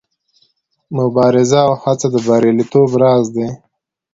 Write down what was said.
مبارزه او هڅه د بریالیتوب راز دی.